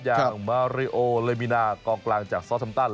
อย่างมาริโอเลมินากองกลางจากซอสัมตัน